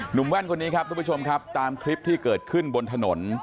แว่นคนนี้ครับทุกผู้ชมครับตามคลิปที่เกิดขึ้นบนถนน